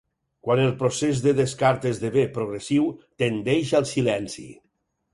Quan el procés de descart esdevé progressiu tendeix al silenci.